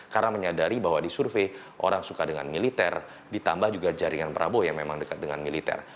karena menyadari bahwa di survei orang suka dengan militer ditambah juga jaringan prabowo yang memang dekat dengan militer